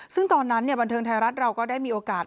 ซึ่งตอนนั้นบันเทิงไทยรัฐเราก็ได้มีโอกาส